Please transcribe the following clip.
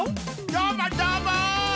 どーもどーも！